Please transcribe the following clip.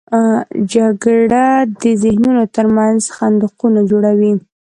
جګړه د ذهنونو تر منځ خندقونه جوړوي